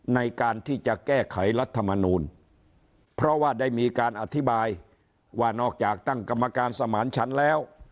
ในการที่จะแก้ไขรัฐมนูลเพราะว่าได้มีการอธิบายว่านอกจากตั้งกรรมการสมานฉันแล้ว